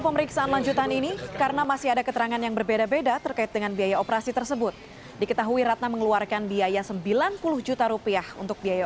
pemeriksaan lanjutan ini berfokus pada operasi plastik yang dilakukan ratna